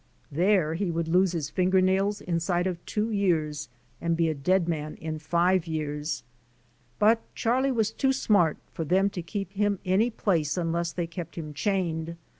There he would lose his finger nails inside of two years and be a dead man in five years. But Charlie was too smart for them to keep him any place unless they kept him chained.